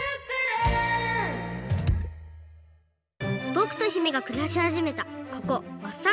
ぼくと姫がくらしはじめたここワッサン島。